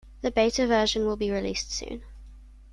The Beta version will be released soon.